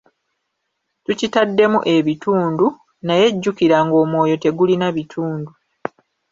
Tukitaddemu ebitundu; naye jjukira ng'omwoyo tegulina bitundu.